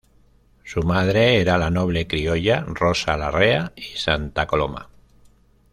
Su madre era la noble criolla Rosa Larrea y Santa Coloma.